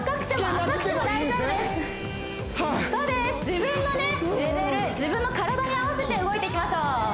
自分のレベル自分の体に合わせて動いていきましょう